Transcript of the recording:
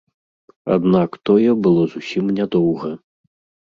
Аднак, тое было зусім нядоўга.